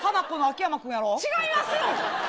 違いますよ！